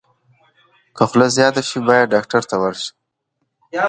که خوله زیاته شي، باید ډاکټر ته ورشو.